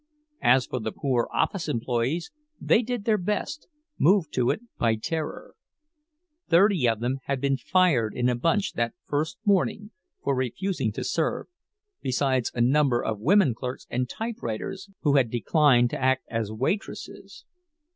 As for the poor office employees, they did their best, moved to it by terror; thirty of them had been "fired" in a bunch that first morning for refusing to serve, besides a number of women clerks and typewriters who had declined to act as waitresses.